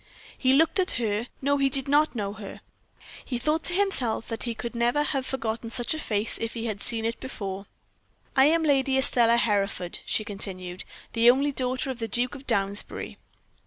He looked at her. No, he did not know her. He thought to himself that he could never have forgotten such a face if he had seen it before. "I am Lady Estelle Hereford," she continued, "the only daughter of the Duke of Downsbury."